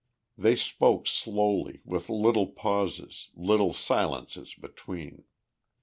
They spoke slowly, with little pauses, little silences between.